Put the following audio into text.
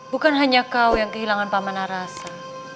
bukan hanya kau yang kehilangan pamana rasa